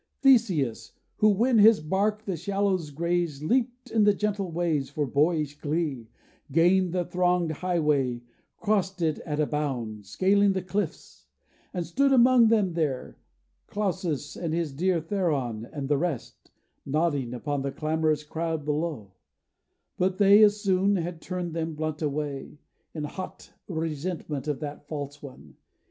Theseus! who when his bark the shallows grazed, Leaped in the gentle waves for boyish glee, Gained the thronged highway, crossed it at a bound, Scaling the cliffs; and stood among them there, Clausus, and his dear Theron, and the rest, Nodding upon the clamorous crowd below; But they, as soon, had turned them blunt away, In hot resentment of that false one.